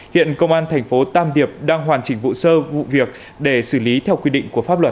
hiện công an thành phố tam điệp đang hoàn chỉnh vụ sơ vụ việc để xử lý theo quy định của pháp luật